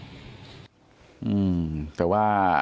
อืมแต่ว่า